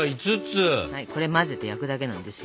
これ混ぜて焼くだけなんですよ。